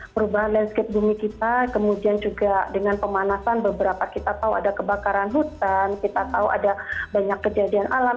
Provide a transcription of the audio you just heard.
perubahan landscape bumi kita kemudian juga dengan pemanasan beberapa kita tahu ada kebakaran hutan kita tahu ada banyak kejadian alam